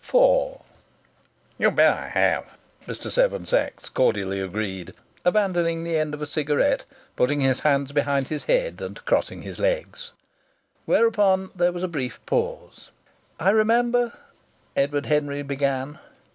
IV "You bet I have!" Mr. Seven Sachs cordially agreed, abandoning the end of a cigarette, putting his hands behind his head, and crossing his legs. Whereupon there was a brief pause. "I remember " Edward Henry began.